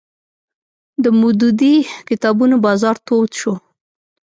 د مودودي کتابونو بازار تود شو